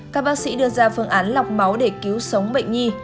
các bác sĩ đưa ra phương án lọc máu để cứu sống bệnh nhi